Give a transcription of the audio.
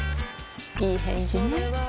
いい返事ね